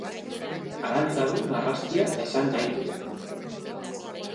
Arantzadun narrastia esan nahi du.